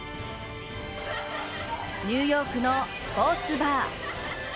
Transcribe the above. ニューヨークのスポーツバー。